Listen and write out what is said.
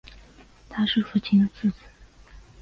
他是父亲的次子。